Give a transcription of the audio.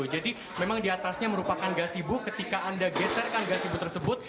jadi memang di atasnya merupakan gas ibu ketika anda geserkan gas ibu tersebut